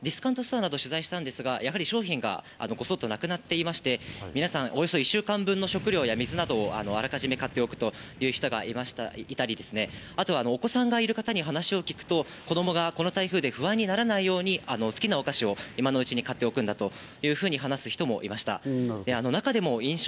例えばなんですけれどもディスカウントストアなどを取材したんですが、やはり商品がごそっとなくなっていまして、みなさん、およそ１週間分の食料や水などをあらかじめ買っておくという人がいたりですね、あとはお子さんがいる方に話を聞くと、子供がこの台風で不安にならないように、好きなお菓子を今のうちに買っておくんだというふうに話す人もいました。